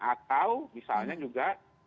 atau misalnya juga